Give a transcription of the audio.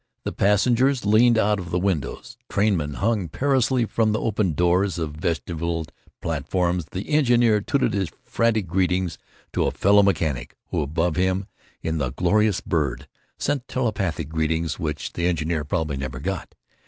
The passengers leaned out of the windows, trainmen hung perilously from the opened doors of vestibuled platforms, the engineer tooted his frantic greetings to a fellow mechanic who, above him in the glorious bird, sent telepathic greetings which the engineer probably never got.